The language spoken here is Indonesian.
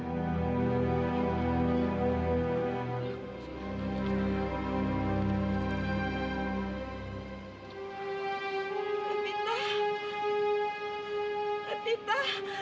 ya udah kita bisa